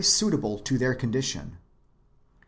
suitable [to tlieir condition].